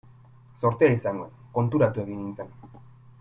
Zortea izan nuen, konturatu egin nintzen.